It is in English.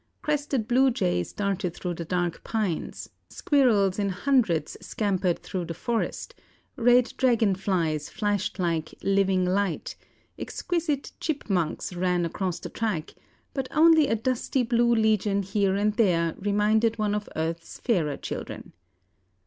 "Crested blue jays darted through the dark pines, squirrels in hundreds scampered through the forest, red dragon flies flashed like 'living light,' exquisite chipmonks ran across the track, but only a dusty blue legion here and there reminded one of earth's fairer children.